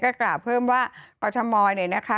กล่าวเพิ่มว่ากรทมเนี่ยนะคะ